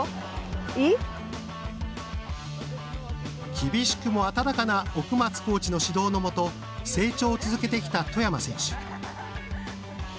厳しくも温かな奥松コーチの指導のもと成長を続けてきた外山選手。